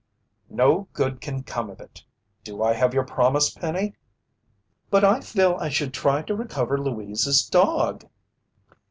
"No good can come of it. Do I have your promise, Penny?" "But I feel I should try to recover Louise's dog!"